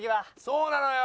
そうなのよ。